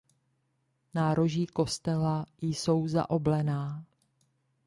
Nároží kostela jsou zaoblená.